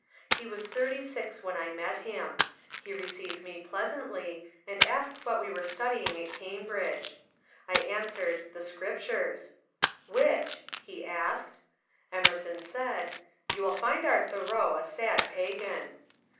He was thirty six when I met him. He received me pleasantly, and asked what we were studying at Cambridge. I answered, "The Scriptures." "Which? "he THE THOREAUS 141 asked. Emerson said, ^'You will find our Tboreau a sad pagan."